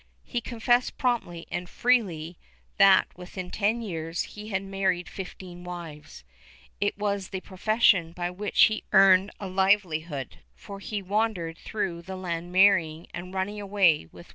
He confessed promptly and freely that within ten years he had married fifteen wives. It was the profession by which he earned a livelihood, for he wandered through the land marrying and running away with whatever he ^ Archive de Simancas, Inq.